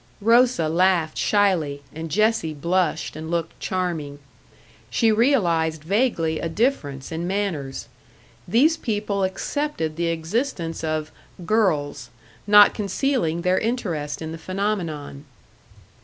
Rosa laughed shyly, and Jessie blushed, and looked charming. She realised vaguely a difference in manners. These people accepted the existence of "girls," not concealing their interest in the phenomenon.